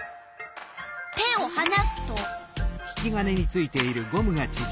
手をはなすと？